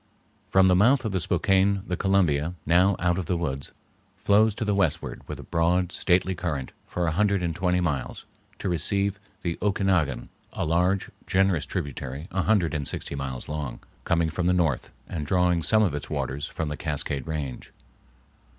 From the mouth of the Spokane the Columbia, now out of the woods, flows to the westward with a broad, stately current for a hundred and twenty miles to receive the Okinagan, a large, generous tributary a hundred and sixty miles long, coming from the north and drawing some of its waters from the Cascade Range.